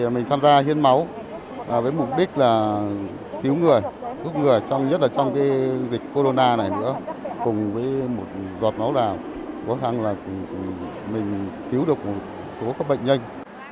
mình tham gia hiến máu với mục đích là cứu người cứu người nhất là trong dịch corona này nữa cùng với một giọt máu đào có thăng là mình cứu được một số các bệnh nhanh